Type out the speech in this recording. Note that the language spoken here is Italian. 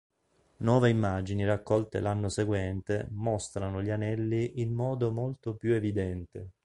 Nuove immagini raccolte l'anno seguente mostrano gli anelli in modo molto più evidente.